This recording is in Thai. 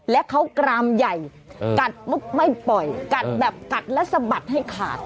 และเขากรามใหญ่กัดไม่ปล่อยกัดแล้วสะบัดให้ขาด